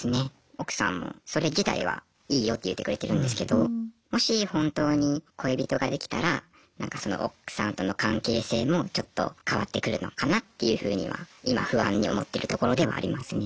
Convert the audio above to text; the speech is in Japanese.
奥さんもそれ自体はいいよって言ってくれてるんですけどもし本当に恋人ができたらなんかその奥さんとの関係性もちょっと変わってくるのかなっていうふうには今不安に思ってるところでもありますね。